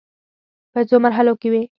په څو مرحلو کې وې.